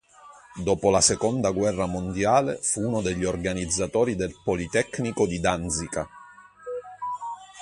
Dopo la Seconda guerra mondiale fu uno degli organizzatori del Politecnico di Danzica.